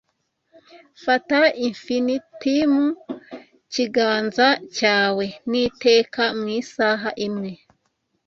Fata Infinitimu kiganza cyawe n'iteka mu isaha imwe